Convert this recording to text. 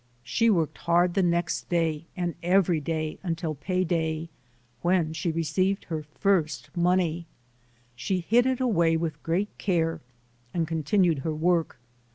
She worked hard the next day and every day until pay day, when she received her first money. She hid it away with great care and continued her work.